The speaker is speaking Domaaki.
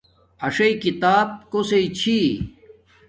اݽݵ کتاب کوسݵ چھی